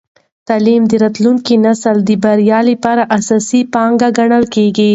تعلیم د راتلونکي نسل د بریا لپاره اساسي پانګه ګڼل کېږي.